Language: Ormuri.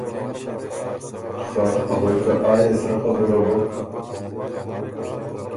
خه غوېکه آ يې سرۀ بُک،